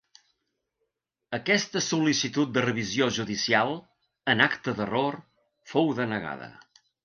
Aquesta sol·licitud de revisió judicial, en acte d'error, fou denegada.